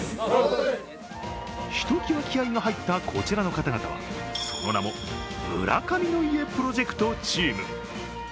ひときわ気合いが入ったこちらの方々はその名も村上の家プロジェクトチーム。